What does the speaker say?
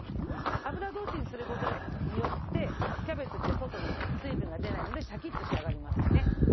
油通しにする事によってキャベツって外に水分が出ないのでシャキッと仕上がりますよね。